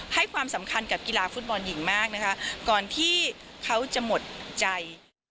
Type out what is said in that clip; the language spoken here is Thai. ให้ความสำคัญกับกีฬาฟุตบอลหญิงมากนะคะก่อนที่เขาจะหมดใจ